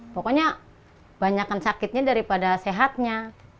pokoknya banyakan sakitnya daripada sehatnya